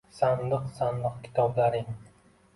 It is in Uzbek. Sandiq-sandiq kitoblarin